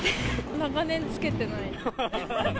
長年つけてない。